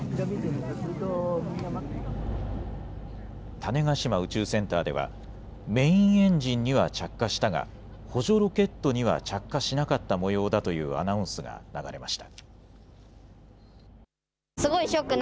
種子島宇宙センターでは、メインエンジンには着火したが、補助ロケットには着火しなかったもようだというアナウンスが流れました。